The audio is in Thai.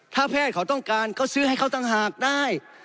ถ้าแพทย์เขาต้องการก็ซื้อให้เขาต่างหากได้